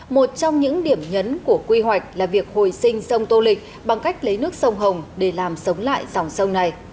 một trong những điểm nhấn của quy hoạch là việc hồi sinh sông tô lịch bằng cách lấy nước sông hồng để làm sống lại dòng sông này